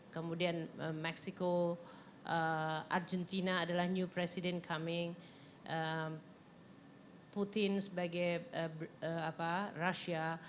kemudian meksiko argentina adalah new president coming putin sebagai rasya